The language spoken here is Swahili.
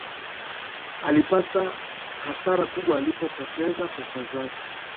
Alipata hasara kubwa alipopoteza pesa zake